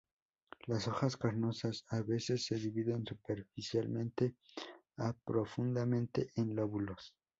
Las hojas carnosas a veces se dividen superficialmente a profundamente en lóbulos.